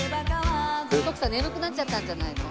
徳さん眠くなっちゃったんじゃないの？